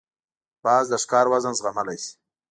باز د ښکار وزن زغملای شي